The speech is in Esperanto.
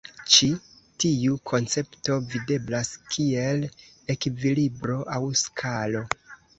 Ĉi tiu koncepto videblas kiel ekvilibro aŭ skalo.